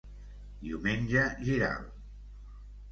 Diumenge Giral.